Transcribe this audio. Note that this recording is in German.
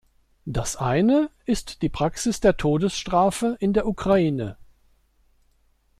Das eine ist die Praxis der Todesstrafe in der Ukraine.